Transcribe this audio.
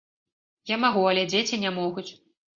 Я магу, але дзеці не могуць!